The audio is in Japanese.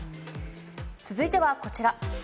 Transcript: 続いてはこちら。